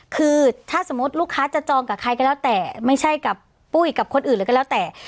คือถ้าสมมุติลูกค้าจะจองกับใครก็แล้วแต่ไม่ใช่กับปุ้ยกับคนอื่นเลยก็แล้วแต่